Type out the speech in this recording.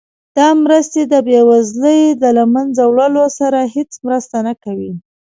دا مرستې د بیوزلۍ د له مینځه وړلو سره هیڅ مرسته نه کوي.